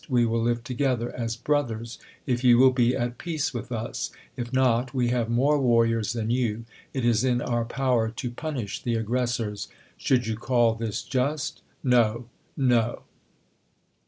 We will live together as brothers, if you will be at peace with us ; if not, w^e^ have more warriors than you ; it is in our power to pun ish the aggressors. Should you call this just ? No ! no